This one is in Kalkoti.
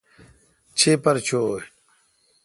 چیپر چو۔